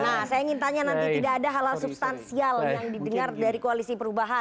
nah saya ingin tanya nanti tidak ada hal hal substansial yang didengar dari koalisi perubahan